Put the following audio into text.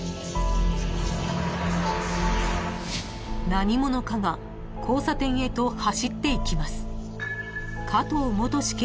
［何者かが交差点へと走っていきます］